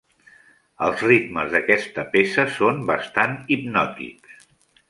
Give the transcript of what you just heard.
Els ritmes d'aquesta peça són bastant hipnòtics.